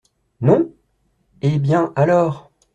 Non ! eh ! bien, alors ?